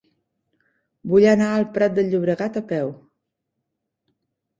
Vull anar al Prat de Llobregat a peu.